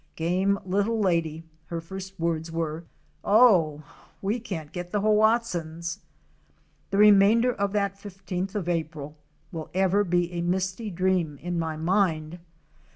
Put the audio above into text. Game little lady, her first words were, "Oh! we can't get the Hoatzins'"'! The remainder of that 15th of April will ever be a misty dream in my mind.